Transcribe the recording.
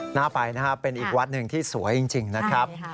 หน้าไปนะครับเป็นอีกวัดหนึ่งที่สวยจริงนะครับ